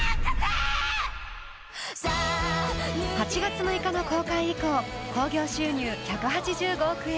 ８月６日の公開以降興行収入１８５億円